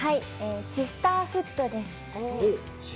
シスターフッドです。